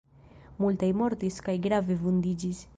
Multaj mortis kaj grave vundiĝis.